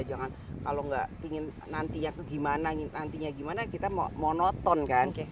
jangan kalau gak pengen nantinya tuh gimana nantinya gimana kita monoton kan